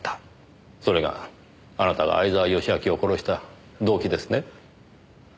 それがあなたが相沢良明を殺した動機ですね？